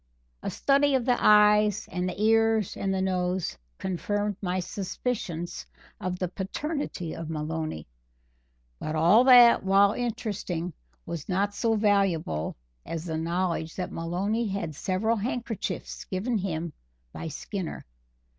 A study of the eyes and the ears and the nose confirmed my suspicions of the paternity of Maloney; but all that, while interesting, was not so valuable as the knowledge that Maloney had several handkerchiefs given him by Skinner.